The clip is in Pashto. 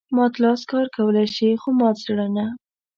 مات لاس کار کولای شي خو مات زړه نه.